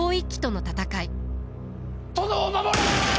殿を守れ！